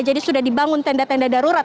jadi sudah dibangun tenda tenda darur